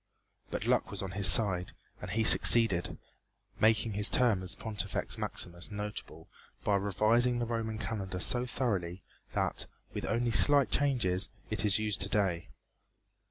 But luck was on his side and he succeeded, making his term as Pontifex Maximus notable by revising the Roman calendar so thoroughly that, with only slight changes, it is used to day.